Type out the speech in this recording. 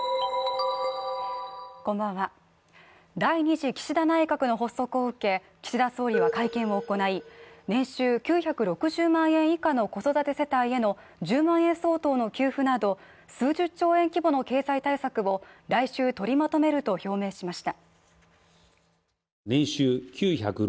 次岸田内閣の発足を受け、岸田総理は会見を行い、年収９６０万円以下の子育て世帯への１０万円相当の給付など数十兆円規模の経済対策を来週、取りまとめると表明しました。